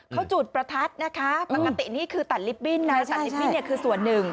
เขาจูดประทัดนะคะมันกะตินี่คือตัดลิปปิ้นนะใช่ใช่คือส่วนหนึ่ง